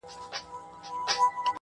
کله شات کله شکري پيدا کيږي.